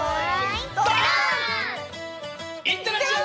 いってらっしゃい！